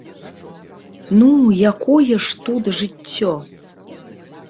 Ну, якое ж тут жыццё!